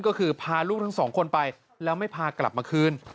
ก็คือพาลูกทั้งสองคนไปแล้วไม่พากลับมาคืน